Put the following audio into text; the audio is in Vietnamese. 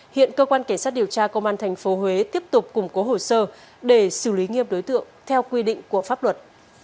hiện cơ quan cảnh sát điều tra công an tp huế tiếp tục củng cố hồ sơ để xử lý nghiêm đối tượng theo quy định của pháp luật